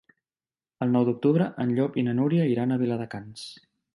El nou d'octubre en Llop i na Núria iran a Viladecans.